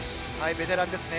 ベテランですね。